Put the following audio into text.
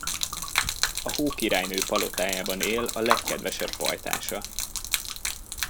A Hókirálynő palotájában él a legkedvesebb pajtása.